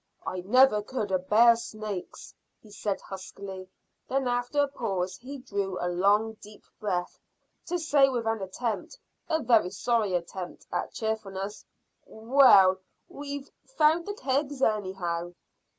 "I never could abear snakes," he said huskily. Then after a pause he drew a long, deep breath, to say with an attempt a very sorry attempt at cheerfulness "Well, we've found the kegs, anyhow."